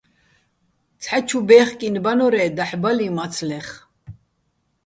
ცჰ̦ა ჩუ ბეხკინო ბანო́რ-ე́ დაჰ̦ ბალიჼ მაცლეხ.